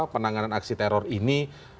penanganan aksi teror ini